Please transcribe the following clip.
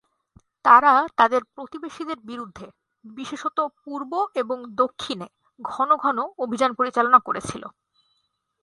তারা তাদের প্রতিবেশীদের বিরুদ্ধে, বিশেষত পূর্ব এবং দক্ষিণে ঘন ঘন অভিযান পরিচালনা করেছিল।